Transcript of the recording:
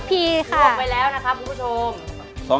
๒ทัพผีค่ะวรวมไปแล้วนะคะทุกชม